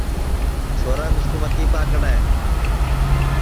چھورا مِسکُو متی پاکڑے